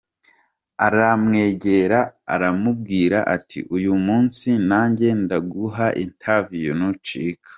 Aramwegera aramubwira ati" Uyu munsi nanjye ndaguha interview ntucika.